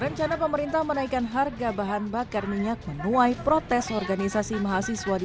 rencana pemerintah menaikkan harga bahan bakar minyak menuai protes organisasi mahasiswa di